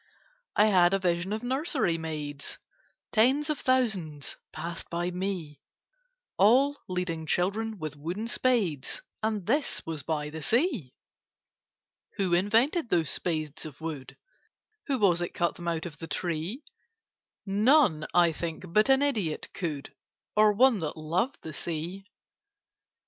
I had a vision of nursery maids; Tens of thousands passed by me— All leading children with wooden spades, And this was by the Sea. Who invented those spades of wood? Who was it cut them out of the tree? None, I think, but an idiot could— Or one that loved the Sea.